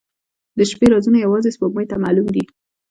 • د شپې رازونه یوازې سپوږمۍ ته معلوم دي.